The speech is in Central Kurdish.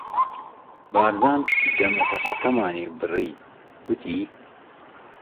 بارزان دەمەتەقەکەمانی بڕی، گوتی: